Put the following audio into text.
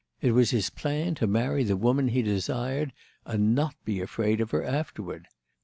It was his plan to marry the woman he desired and not be afraid of her afterward.